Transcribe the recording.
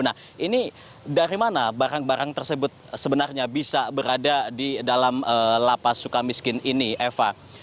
nah ini dari mana barang barang tersebut sebenarnya bisa berada di dalam lapas suka miskin ini eva